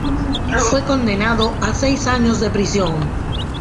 Fue condenado a seis años de prisión.